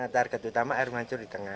target utama air mancur di tengah